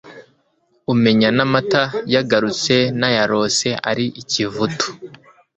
Umenya n'amata yagarutse nayarose ari ikivutu